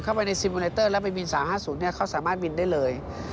เข้าไปในซิมอูไนเตอร์แล้วไปบิน๓๕๐เขาสามารถบินได้เลย